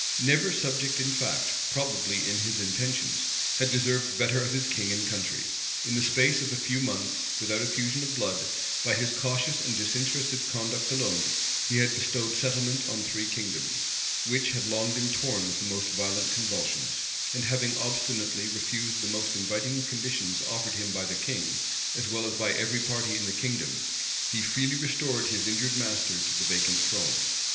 Never subject in fact, probably in his intentions, had deserved better of his king and country. In the space of a few months, without effusion of blood, by his cautious and disinterested conduct alone, he had bestowed settlement on three kingdoms, which had long been torn with the most violent convulsions; and having obstinately refused the most inviting conditions offered him by the king, as well as by every party in the kingdom, he freely restored his injured master to the vacant throne.